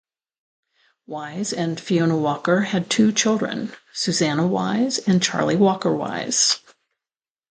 Wise and Fiona Walker had two children; Susannah Wise and Charlie Walker-Wise.